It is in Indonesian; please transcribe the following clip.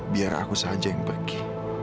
biar aku saja yang pergi